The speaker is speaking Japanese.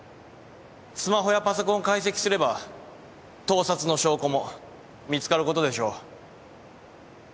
スマホやパソコンを解析すれば盗撮の証拠も見つかることでしょう。